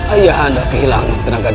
ayah anda kehilangan tenaga